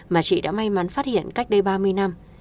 mà chị đã may mắn phát hiện cách đây ba mươi năm